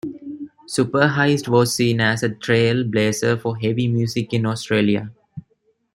Superheist was seen as a trail blazer for heavy music in Australia.